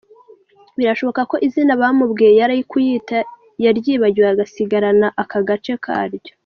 Birashoboka ko izina bamubwiye yari kuyita yaryibagiwe agasigarana aka gace karyo !.